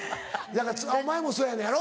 お前もそうやのやろ。